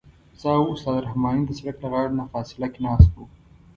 زه او استاد رحماني د سړک له غاړې نه فاصله کې ناست وو.